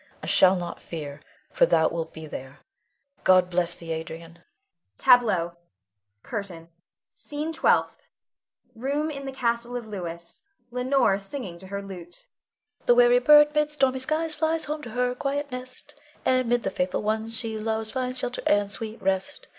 I shall not fear, for thou wilt be there. God bless thee, Adrian. [Tableau. CURTAIN. SCENE TWELFTH. [Room in the castle of Louis. Leonore singing to her lute.] The weary bird mid stormy skies, Flies home to her quiet nest, And 'mid the faithful ones she loves, Finds shelter and sweet rest.